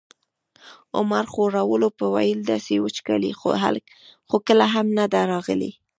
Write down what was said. عمر خوړلو به ویل داسې وچکالي خو کله هم نه ده راغلې.